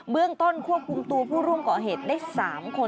เบื้องต้นควบคุมตัวผู้ร่วมก่อเหตุได้๓คน